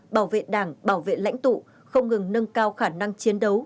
bảo vệ đảng bảo vệ lãnh tụ không ngừng nâng cao khả năng chiến đấu